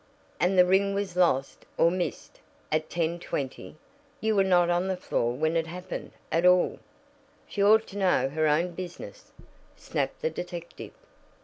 "And the ring was lost, or missed, at 10:20. You were not on the floor when it happened, at all." "She ought to know her own business," snapped the detective.